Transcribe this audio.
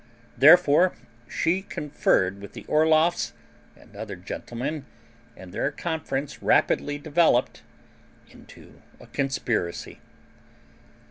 Therefore she conferred with the Orloffs and other gentlemen, and their conference rapidly developed into a conspiracy.